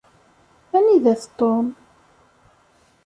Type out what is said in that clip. Anida-t Tom?